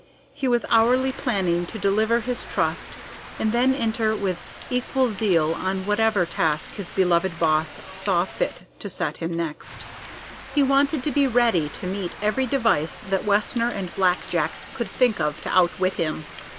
He was hourly planning to deliver his trust and then enter with equal zeal on whatever task his beloved Boss saw fit to set him next. He wanted to be ready to meet every device that Wessner and Black Jack could think of to outwit him.